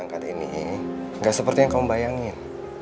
nggak seperti yang kamu bayangin